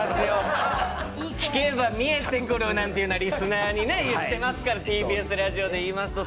聞けば見えてくるなんてリスナーに言ってますからＴＢＳラジオでいいますと。